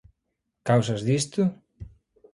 Causas disto?